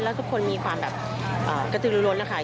และทุกคนมีความแบบกระทืบรวมนะคะ